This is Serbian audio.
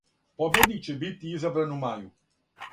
Победник ће бити изабран у мају.